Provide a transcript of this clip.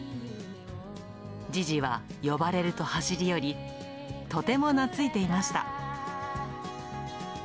ジジは呼ばれると走り寄り、とても懐いていました。